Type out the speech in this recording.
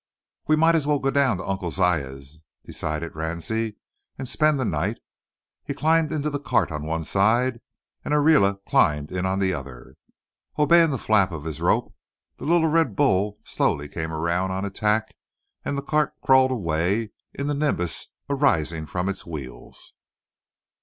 "We mout as well go down to Uncle Ziah's," decided Ransie, "and spend the night." He climbed into the cart on one side, and Ariela climbed in on the other. Obeying the flap of his rope, the little red bull slowly came around on a tack, and the cart crawled away in the nimbus arising from its wheels.